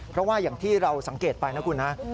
เพราะว่าอย่างที่เราสังเกตไปนะคุณนะ